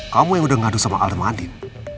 kamu yang udah ngadu sama al madiun